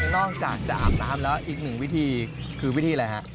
นอกจากจะอาบน้ำแล้วอีกหนึ่งวิธีคือวิธีอะไรฮะ